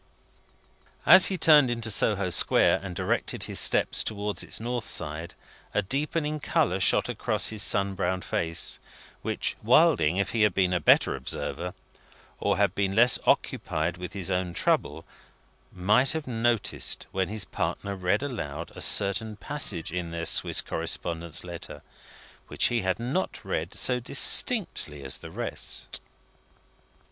As he turned into Soho Square, and directed his steps towards its north side, a deepened colour shot across his sun browned face, which Wilding, if he had been a better observer, or had been less occupied with his own trouble, might have noticed when his partner read aloud a certain passage in their Swiss correspondent's letter, which he had not read so distinctly as the rest.